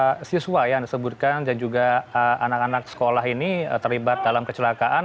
selain dari orang tua siswa yang disebutkan dan juga anak anak sekolah ini terlibat dalam kecelakaan